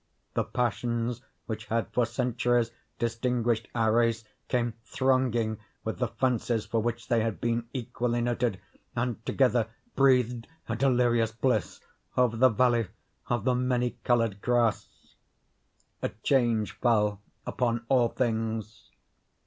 The passions which had for centuries distinguished our race, came thronging with the fancies for which they had been equally noted, and together breathed a delirious bliss over the Valley of the Many Colored Grass. A change fell upon all things.